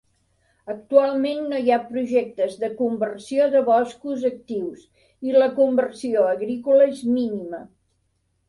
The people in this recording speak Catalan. Actualment no hi ha projectes de conversió de boscos actius, i la conversió agrícola és mínima.